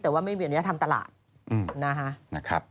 แต่ว่าไม่มีอนุญาตทำตลาดนะครับ